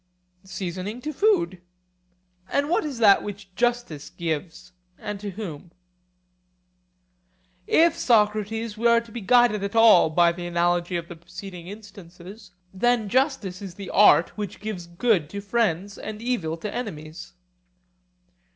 Seasoning to food. And what is that which justice gives, and to whom? If, Socrates, we are to be guided at all by the analogy of the preceding instances, then justice is the art which gives good to friends and evil to enemies.